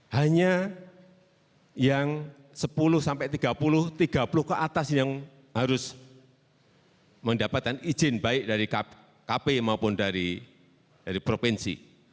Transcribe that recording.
hanya yang sepuluh sampai tiga puluh tiga puluh ke atas yang harus mendapatkan izin baik dari kp maupun dari provinsi